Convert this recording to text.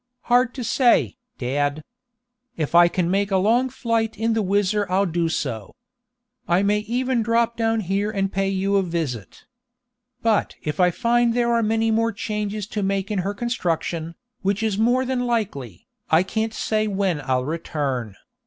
"Hard to say, dad. If I can make a long flight in the WHIZZER I'll do so. I may even drop down here and pay you a visit. But if I find there are many more changes to make in her construction, which is more than likely, I can't say when I'll return.